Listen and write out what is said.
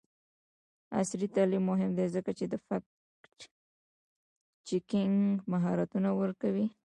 عصري تعلیم مهم دی ځکه چې د فکټ چیکینګ مهارتونه ورکوي.